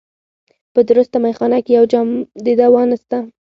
په درسته مېخانه کي یو جام د دوا نسته